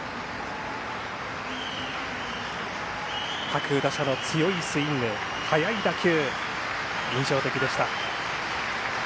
各打者の強いスイング、速い打球印象的でした。